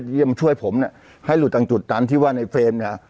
เพื่อที่จะมาช่วยผมให้หลุดตำจุดนั้นที่ว่าในเฟรมนี้